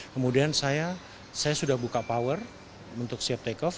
kemudian saya sudah buka power untuk siap take off